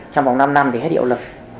trong vòng năm năm thì hết hiệu lực